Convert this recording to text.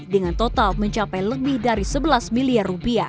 dengan total mencapai lebih dari sebelas miliar rupiah